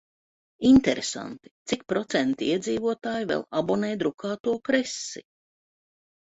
Interesanti, cik procenti iedzīvotāju vēl abonē drukāto presi?